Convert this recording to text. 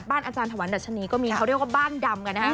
อาจารย์ถวันดัชนีก็มีเขาเรียกว่าบ้านดำกันนะฮะ